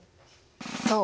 そう。